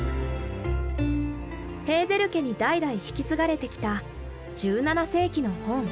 ヘーゼル家に代々引き継がれてきた１７世紀の本。